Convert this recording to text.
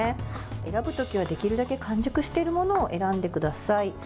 選ぶときはできるだけ完熟しているものを選んでください。